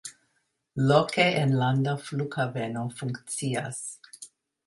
Loke enlanda flughaveno funkcias.